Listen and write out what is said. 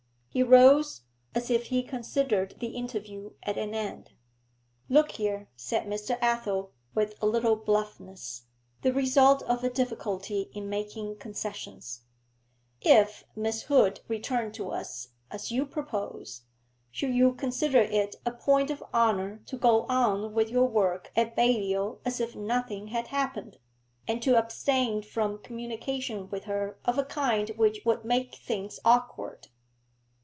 He rose, as if he considered the interview at an end. 'Look here,' said Mr. Athel, with a little bluffness, the result of a difficulty in making concessions; 'if Miss Hood returned to us, as you propose, should you consider it a point of honour to go on with your work at Balliol as if nothing had happened, and to abstain from communication with her of a kind which would make things awkward?'